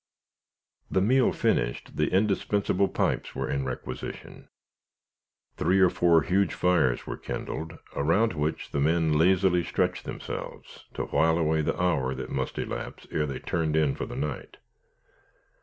The meal finished, the indispensable pipes were in requisition. Three or four huge fires were kindled, around which the men lazily stretched themselves, to while away the hour that must elapse ere they "turned in" for the night.